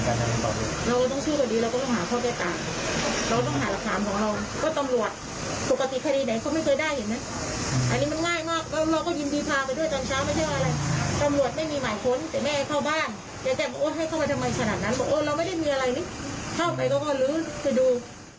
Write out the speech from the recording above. เข้าไปก็ลื้อที่ดู